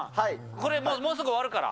これ、もうすぐ終わるから。